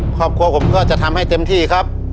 ครอบครัวผมก็จะทำให้เต็มที่ครับ